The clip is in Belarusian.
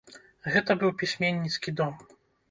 Гэта быў пісьменніцкі дом.